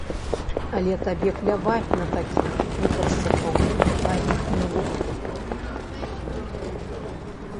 Але табе пляваць на такіх гутаршчыкаў, на іхнюю лухту.